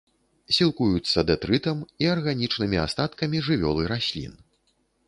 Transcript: Сілкуюцца дэтрытам і арганічнымі астаткамі жывёл і раслін.